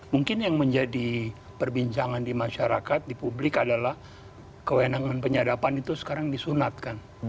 mungkin yang menjadi perbincangan di masyarakat di publik adalah kewenangan penyadapan itu sekarang disunatkan